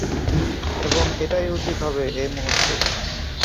এবং এটাই উচিৎ হবে এ মুহুর্তে।